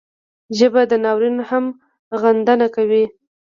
ژبه د ناورین هم غندنه کوي